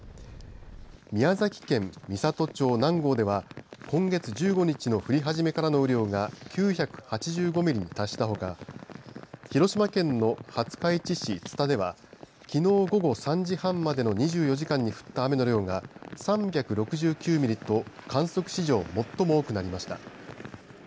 宮崎県美郷町南郷では今月１５日の降り始めからの雨量が９８５ミリに達したほか広島県の廿日市市津田ではきのう午後３時半までの２４時間に降った雨の量が３６９ミリと観測史上最も多くなりました。